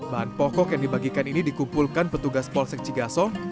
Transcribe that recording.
bahan pokok yang dibagikan ini dikumpulkan petugas polsek cigasong